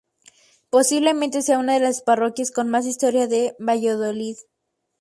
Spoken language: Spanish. Posiblemente sea una de las parroquias con más historia de Valladolid.